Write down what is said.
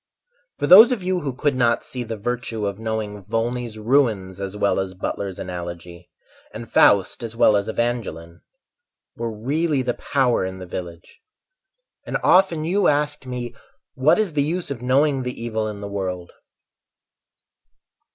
For those of you who could not see the virtue Of knowing Volney's "Ruins" as well as Butler's "Analogy" And "Faust" as well as "Evangeline," Were really the power in the village, And often you asked me "What is the use of knowing the evil in the world?"